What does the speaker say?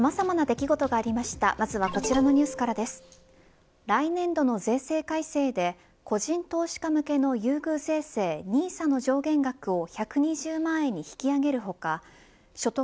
来年度の税制改正で個人投資家向けの優遇税制ＮＩＳＡの上限額を１２０万円に引き上げる他所得